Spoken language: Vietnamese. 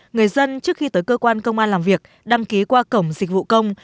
người dân trước khi tới cơ quan công an làm việc đăng ký qua cổng dịch vụ công